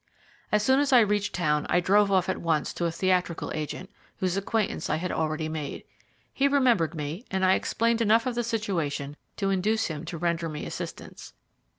As soon as I reached town I drove off at once to a theatrical agent, whose acquaintance I had already made. He remembered me, and I explained enough of the situation to induce him to render me assistance.